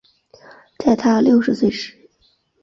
在她六十岁时